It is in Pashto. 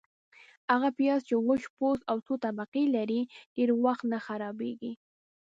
- هغه پیاز چي وچ پوست او څو طبقې لري، ډېر وخت نه خرابیږي.